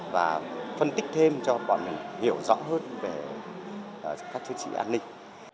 và phân tích thêm cho bọn mình hiểu rõ hơn về các chương trình an ninh